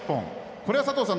これは佐藤さん